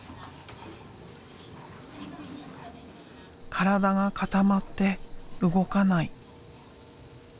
体が固まって動かない。